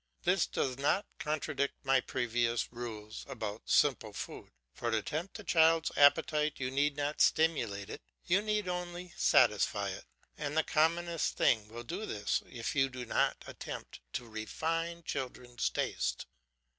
This does not contradict my previous rules about simple food; for to tempt a child's appetite you need not stimulate it, you need only satisfy it; and the commonest things will do this if you do not attempt to refine children's taste.